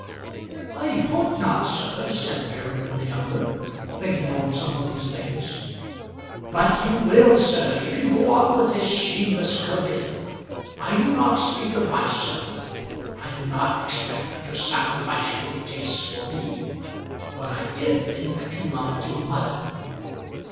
"I hope not, sir," said Peregrine the younger, thinking over some of these things. "But you will, sir, if you go on with this shameless career. I do not speak of myself. I do not expect you to sacrifice your tastes for me; but I did think that you loved your mother!"